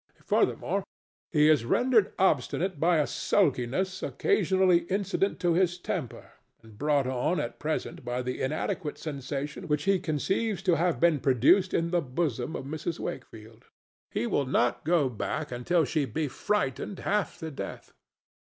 Furthermore, he is rendered obstinate by a sulkiness occasionally incident to his temper and brought on at present by the inadequate sensation which he conceives to have been produced in the bosom of Mrs. Wakefield. He will not go back until she be frightened half to death.